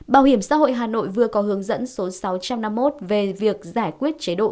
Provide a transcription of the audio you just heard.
bảo hiểm xã hội hà nội vừa có hướng dẫn số sáu trăm năm mươi một về việc giải quyết chế độ